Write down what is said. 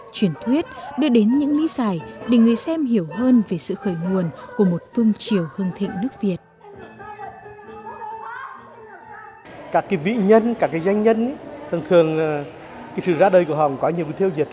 truyền thuyết đưa đến những lý giải để người xem hiểu hơn về sự khởi nguồn của một phương triều hương thịnh nước việt